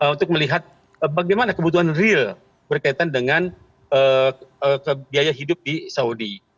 untuk melihat bagaimana kebutuhan real berkaitan dengan biaya hidup di saudi